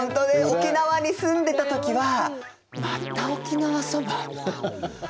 沖縄に住んでた時はまた沖縄そば？みたいな。